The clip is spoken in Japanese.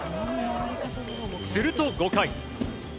すると、５回。